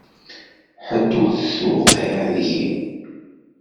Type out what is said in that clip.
Ḥedd ur t-tewqiε deg-i.